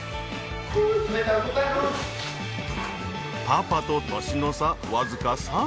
パパと年の差わずか３歳。